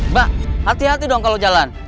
mbak hati hati dong kalau jalan